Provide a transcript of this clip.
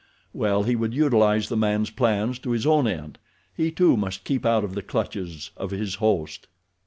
Well, he would utilize the man's plans to his own end. He, too, must keep out of the clutches of his host.